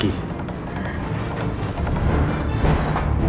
biar gak telat